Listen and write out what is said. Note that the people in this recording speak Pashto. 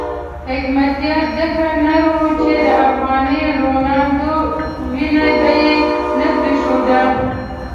حکمتیار ځکه نر وو چې د افغاني روڼاندو وینه به یې نه پرېښوده.